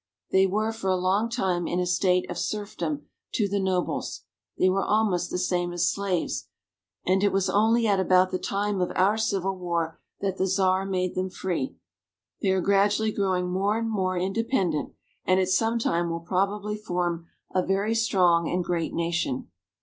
They were for a long time in a state of serfdom to the nobles ; they were almost the same as slaves, and it was only at about the time of our Civil War that the Czar made them free. They are gradually growing more and more independent, and at some time will probably form a very strong and great nation.